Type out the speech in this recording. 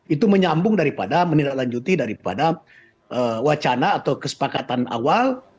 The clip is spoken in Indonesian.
itu menyambung daripada menindaklanjuti daripada wacana atau kesepakatan awal